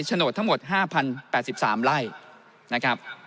ชโนททั้งหมด๕๐๘๓ลาย